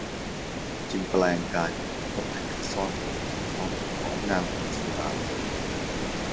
จึงแปลงกายเป็นงูเข้าไปแอบซ่อนอยู่ในกระท่อมของนางพิมสุราลัย